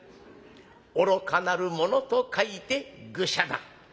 『愚かなる者』と書いて『愚者』だ。